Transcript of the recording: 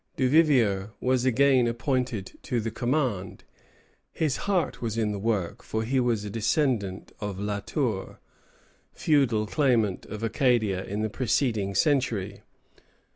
Duvivier was again appointed to the command. His heart was in the work, for he was a descendant of La Tour, feudal claimant of Acadia in the preceding century.